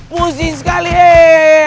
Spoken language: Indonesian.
pusing sekali ee